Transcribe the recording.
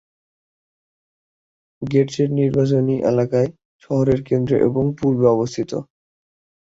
গেটশেড নির্বাচনী এলাকা শহরের কেন্দ্র এবং পূর্বে অবস্থিত।